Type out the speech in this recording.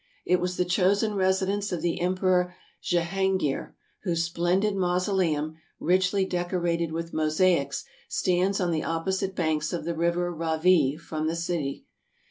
It was the chosen residence of the Em peror Jehangeer, whose splendid mausoleum, richly deco rated with mosaics, stands on the opposite banks of the river Ravee from the city.